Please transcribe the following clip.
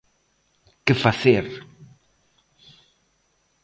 ¿Que facer?